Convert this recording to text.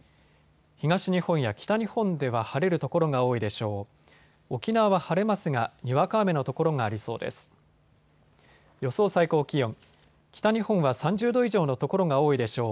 東日本や北日本では晴れる所が多いでしょう。